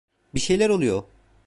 Bir şeyler oluyor.